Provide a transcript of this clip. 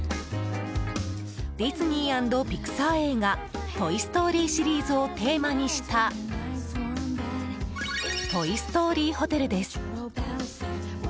ディズニー＆ピクサー映画「トイ・ストーリー」シリーズをテーマにしたトイ・ストーリーホテルです。